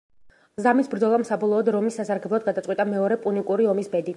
ზამის ბრძოლამ საბოლოოდ რომის სასარგებლოდ გადაწყვიტა მეორე პუნიკური ომის ბედი.